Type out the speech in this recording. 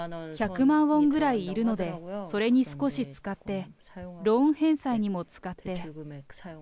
１００万ウォンぐらいいるので、それに少し使って、ローン返済にも使って。